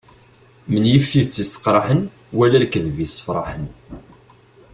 Menyif tidet isseqraḥen wala lekteb issefraḥen.